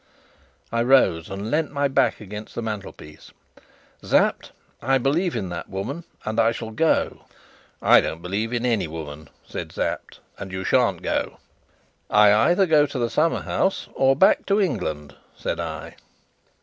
I rose and leant my back against the mantelpiece. "Sapt, I believe in that woman, and I shall go." "I don't believe in any woman," said Sapt, "and you shan't go." "I either go to the summer house or back to England," said I.